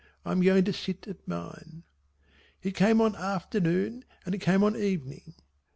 I am going to sit at mine." It came on afternoon and it came on evening.